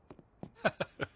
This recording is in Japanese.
ハハハ。